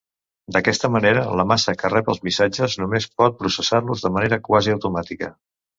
D'aquesta manera la massa que rep els missatges només pot processar-los de manera quasi automàtica.